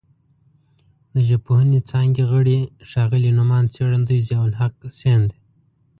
د ژبپوهنې څانګې غړي ښاغلي نوماند څېړندوی ضیاءالحق سیند